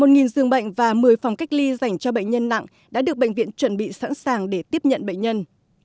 một giường bệnh và một mươi phòng cách ly dành cho bệnh nhân nặng đã được bệnh viện chuẩn bị sẵn sàng để tiếp nhận bệnh nhân